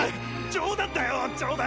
冗談だよ冗談！